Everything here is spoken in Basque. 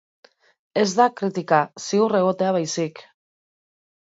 Ez da kritika, ziur egotea baizik.